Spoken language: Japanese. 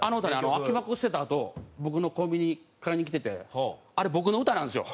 空き箱捨てたあと僕のコンビニに買いに来ててあれ僕の歌なんですよ。